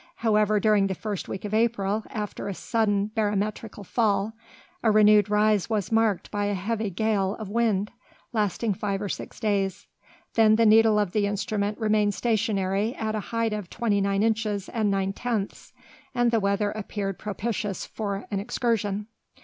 However, during the first week of April, after a sudden barometrical fall, a renewed rise was marked by a heavy gale of wind, lasting five or six days; then the needle of the instrument remained stationary at a height of twenty nine inches and nine tenths, and the weather appeared propitious for an excursion.